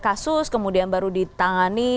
kasus kemudian baru ditangani